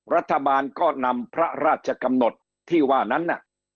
รัฐบาลก็นำพระราชกำหนดที่ว่านั้นน่ะ